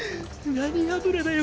何油だよ